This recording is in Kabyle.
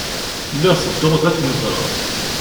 Lliɣ tedduɣ-d ad kem-ẓreɣ.